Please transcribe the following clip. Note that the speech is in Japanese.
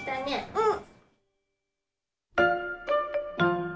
うん。